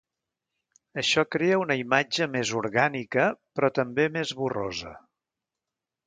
Això crea una imatge més orgànica, però també més borrosa.